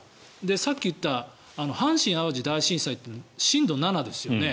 さっき言った阪神・淡路大震災って震度７ですよね。